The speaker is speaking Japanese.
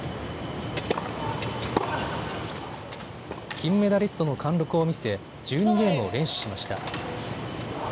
金メダリストの貫禄を見せ、１２ゲームを連取しました。